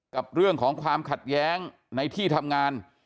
กับเรื่องของความขัดแย้งในที่ทำงาน